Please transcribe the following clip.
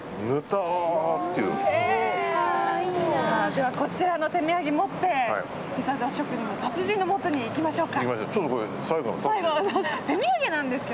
ではこちらの手土産を持ってピッツァ職人のもとへいきましょう。